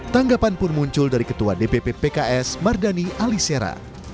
tanggapan pun muncul dari ketua dpp pks mardani alisera